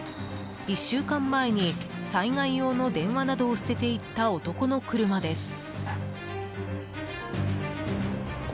１週間前に災害用の電話などを捨てていった男の車です。